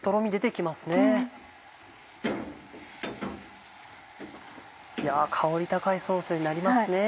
いや香り高いソースになりますね。